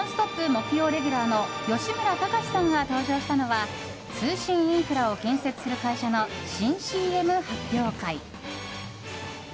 木曜レギュラーの吉村崇さんが登場したのは通信インフラを建設する会社の新ＣＭ発表会。